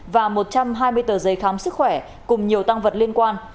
và một trăm hai mươi tờ giấy khám sức khỏe cùng nhiều tăng vật liên quan